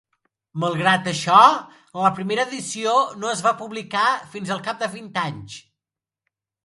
Malgrat això, la primera edició no es va publicar fins al cap de vint anys.